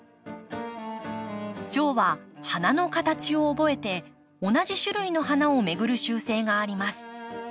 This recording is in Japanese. チョウは花の形を覚えて同じ種類の花を巡る習性があります。